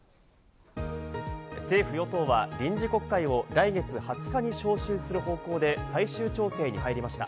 政府・与党は臨時国会を来月２０日に召集する方向で最終調整に入りました。